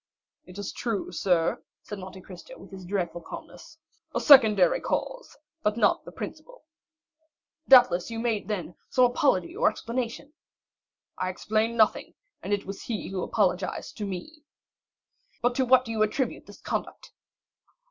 "It is true, sir," said Monte Cristo with his dreadful calmness; "a secondary cause, but not the principal." "Doubtless you made, then, some apology or explanation?" "I explained nothing, and it is he who apologized to me." "But to what do you attribute this conduct?"